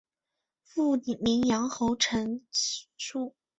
父宁阳侯陈懋。